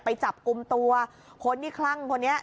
ไปจับกลุ่มตัวคนที่คลั่งคนนี้